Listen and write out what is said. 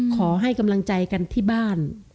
ขอให้กำลังใจกันที่บ้าน